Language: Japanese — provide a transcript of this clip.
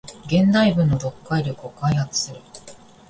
現代文の読解力を開発する